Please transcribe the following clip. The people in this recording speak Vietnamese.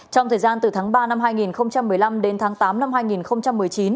trong thời gian từ tháng ba năm hai nghìn một mươi năm đến tháng tám năm hai nghìn một mươi chín